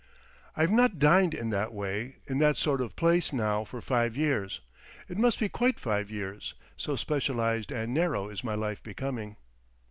I've not dined in that way, in that sort of place, now for five years—it must be quite five years, so specialised and narrow is my life becoming.